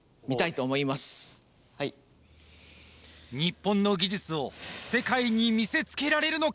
日本の技術を世界に見せつけられるのか？